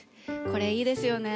これいいですよね。